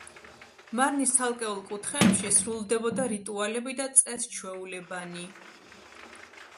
მარნის ცალკეულ კუთხეებში სრულდებოდა რიტუალები და წეს-ჩვეულებანი.